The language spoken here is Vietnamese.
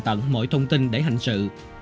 và tương tận mọi thông tin để hành sự